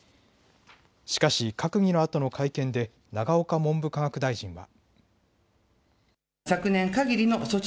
しかし閣議閣議のあとの会見で永岡文部科学大臣は。